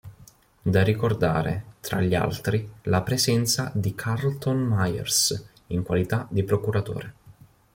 Da ricordare, tra gli altri, la presenza di Carlton Myers, in qualità di procuratore.